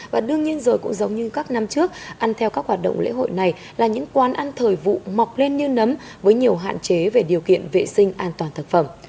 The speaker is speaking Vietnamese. và đương nhiên rồi cũng giống như các năm trước ăn theo các hoạt động lễ hội này là những quán ăn thời vụ mọc lên như nấm với nhiều hạn chế về điều kiện vệ sinh an toàn thực phẩm